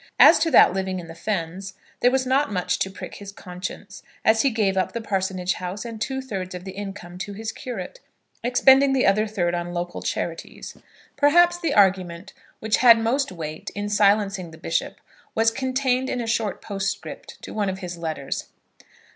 As to that living in the fens, there was not much to prick his conscience, as he gave up the parsonage house and two thirds of the income to his curate, expending the other third on local charities. Perhaps the argument which had most weight in silencing the bishop was contained in a short postscript to one of his letters.